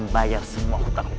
biar semua pengetahuan